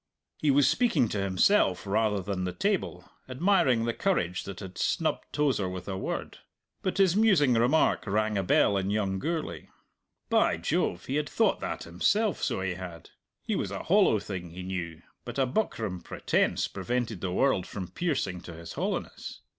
He was speaking to himself rather than the table, admiring the courage that had snubbed Tozer with a word. But his musing remark rang a bell in young Gourlay. By Jove, he had thought that himself, so he had! He was a hollow thing, he knew, but a buckram pretence prevented the world from piercing to his hollowness.